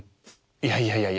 いやいやいやいや。